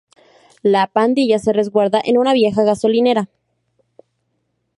La pandilla se resguarda en una vieja gasolinera.